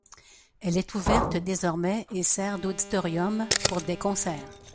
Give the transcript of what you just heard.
Elle est ouverte désormais et sert d'auditorium pour des concerts.